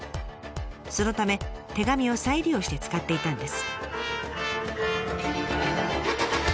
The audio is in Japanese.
そのため手紙を再利用して使っていたんです。